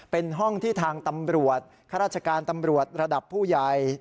เป็นห้องที่ทางตำรวจข้าราชการตำรวจระดับผู้ใหญ่